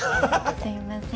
すいません。